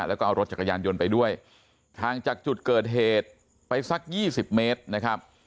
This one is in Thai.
แล้วก็เอารถจักรยานยนต์ไปด้วยห่างจากจุดเกิดเหตุไปสักยี่สิบเมตรนะครับ